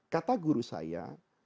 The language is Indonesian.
kata guru saya